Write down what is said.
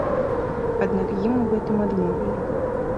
Аднак ім у гэтым адмовілі.